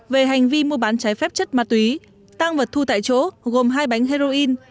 về hành vi mua bán trái phép chất ma túy tăng vật thu tại chỗ gồm hai bánh heroin